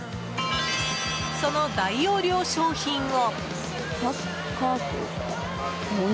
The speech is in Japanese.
その大容量商品を。